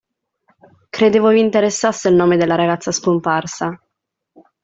Credevo vi interessasse il nome della ragazza scomparsa.